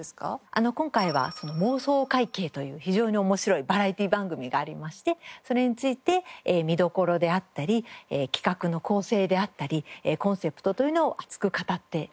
今回は『妄想会計』という非常に面白いバラエティー番組がありましてそれについて見どころであったり企画の構成であったりコンセプトというのを熱く語っておりました。